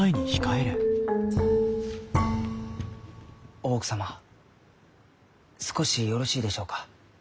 大奥様少しよろしいでしょうか？